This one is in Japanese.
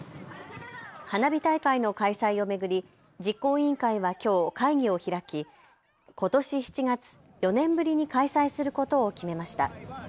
花火大会の開催を巡り実行委員会はきょう会議を開きことし７月、４年ぶりに開催することを決めました。